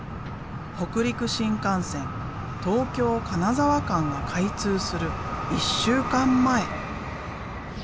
北陸新幹線東京金沢間が開通する１週間前。